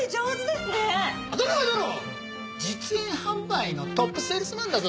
実演販売のトップセールスマンだぞ。